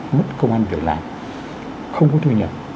mất công an việc làm không có thu nhập